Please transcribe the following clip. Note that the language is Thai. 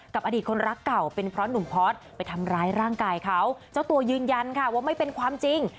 อดีตคนรักเก่าเป็นเพราะหนุ่มพอร์ตไปทำร้ายร่างกายเขาเจ้าตัวยืนยันค่ะว่าไม่เป็นความจริง